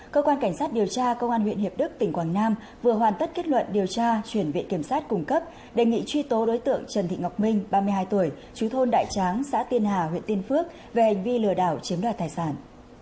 cơ quan cảnh sát điều tra công an huyện hiệp đức tỉnh quảng nam vừa hoàn tất kết luận điều tra chuyển viện kiểm sát cung cấp đề nghị truy tố đối tượng trần thị ngọc minh ba mươi hai tuổi chú thôn đại tráng xã tiên hà huyện tiên phước về hành vi lừa đảo chiếm đoạt tài sản